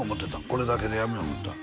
これだけでやめよう思うたん？